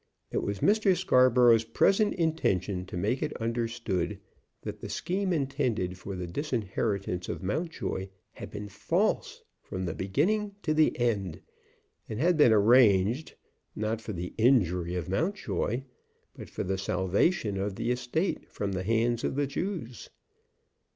It was Mr. Scarborough's present intention to make it understood that the scheme intended for the disinheritance of Mountjoy had been false from the beginning to the end, and had been arranged, not for the injury of Mountjoy, but for the salvation of the estate from the hands of the Jews.